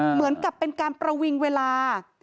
เหมือนกับเป็นการประวิงเวลา